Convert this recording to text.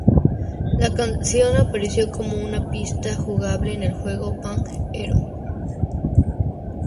La canción apareció como una pista jugable en el juego Band Hero.